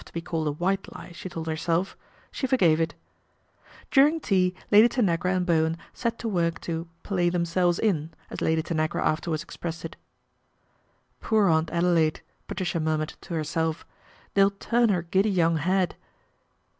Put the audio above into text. to be called a white lie, she told herself) she for gave it. During tea Lady Tanagra and Bowen set to LADY TANAGRA TAKES A HAND 127 ork to " play themselves in," as Lady Tanagra fterwards expressed it. Poor Aunt Adelaide," Patricia murmured to If, " they'll turn her giddy young head."